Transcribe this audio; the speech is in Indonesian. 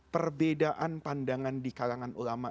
perbedaan pandangan di kalangan ulama